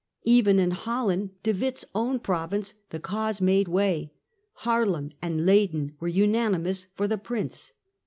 Even in Holland, De Witt's own province, the cause made way. Haarlem and Leyden were unanimous for the Prince.